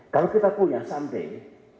kalau kita punya something